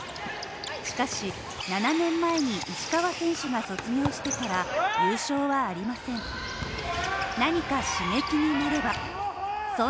しかし、７年前に石川選手が卒業してから優勝はありません。